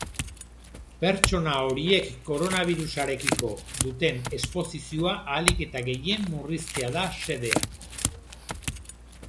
Pertsona horiek koronabirusarekiko duten esposizioa ahalik eta gehien murriztea da xedea.